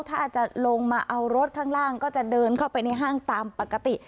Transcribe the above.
ถ้าจะลงมาเอารถข้างล่างก็จะเดินเข้าไปในห้างตามปกติ